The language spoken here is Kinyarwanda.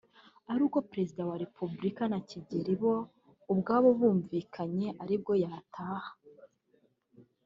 ari uko Perezida wa repubulika na Kigeli bo ubwabo bumvikanye aribwo yataha